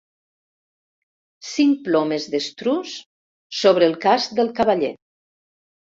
Cinc plomes d'estruç sobre el casc del cavaller.